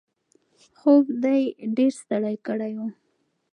خوب دی ډېر ستړی کړی و.